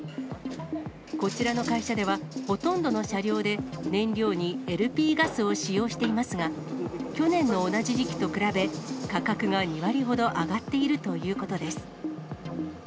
こちらの会社では、ほとんどの車両で燃料にＬＰガスを使用していますが、去年の同じ時期と比べ、価格が２割ほど上がっているということです。